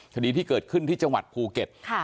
คดีที่เกิดขึ้นที่จังหวัดภูเก็ต